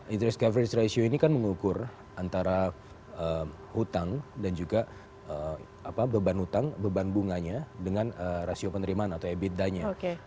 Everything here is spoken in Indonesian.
interest coverage ratio ini kan mengukur antara hutang dan juga beban hutang beban bunganya dengan rasio penerimaan atau ebitdanya